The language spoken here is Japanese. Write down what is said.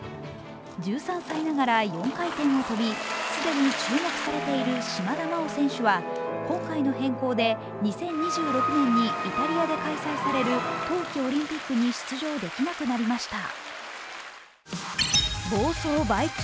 １３歳ながら４回転を跳びすでに注目されている島田選手は今回の変更で２０２６年にイタリアで開催される冬季オリンピックに出場できなくなりました。